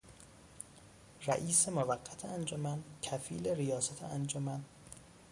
رئیس موقت انجمن، کفیل ریاست انجمن